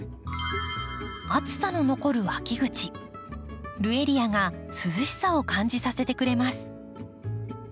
暑さの残る秋口ルエリアが涼しさを感じさせてくれます。